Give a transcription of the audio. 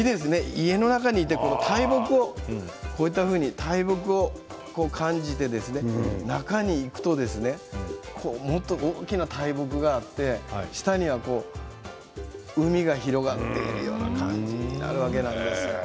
家の中にいて大木を感じて中にいくともっと大きな大木があって下には海が広がっているような感じになるわけなんです。